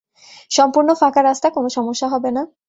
সম্পুর্ন ফাঁকা রাস্তা, কোন সমস্যা হবে না।